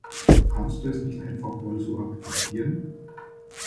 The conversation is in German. Kannst du es nicht einfach mal so akzeptieren?